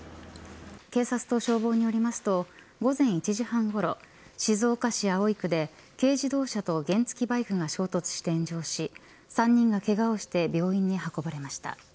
警察と消防によりますと午前１時半ごろ静岡市葵区で軽自動車と原付バイクが衝突して炎上し３人がけがをして病院に運ばれました。